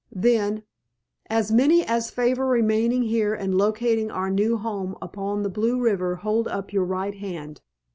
Then, "As many as favor remaining here and locating our new home upon the Blue River hold up your right hand."